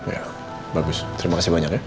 ya bagus terima kasih banyak ya